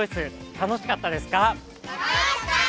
楽しかったです！